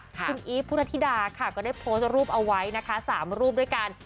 คุณอีฟพุทธธิดาค่ะก็ได้โพสต์รูปเอาไว้นะคะ๓รูปด้วยกัน